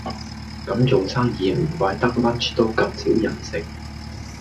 咁做生意唔怪得 lunch 都咁少人食